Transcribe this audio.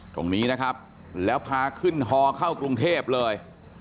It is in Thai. ตรงนี้นะครับแล้วพาขึ้นฮอเข้ากรุงเทพเลย